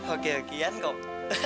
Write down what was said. oke oke yang kok